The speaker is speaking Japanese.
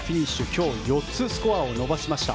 今日４つスコアを伸ばしました。